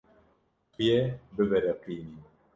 Tu yê bibiriqînî.